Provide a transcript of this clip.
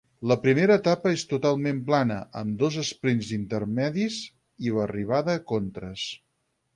La primera etapa és totalment plana, amb dos esprints intermedis i l'arribada a Contres.